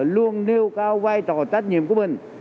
luôn nêu cao vai trò tách nhiệm của mình